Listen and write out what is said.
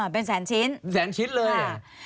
เป็นแสนชิ้นเลย